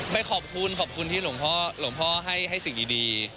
ไม่ขอบคุณขอบคุณที่หลวงพ่อให้สิ่งดี